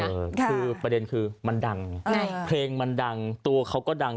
เออคือประเด็นคือมันดังไงเพลงมันดังตัวเขาก็ดัง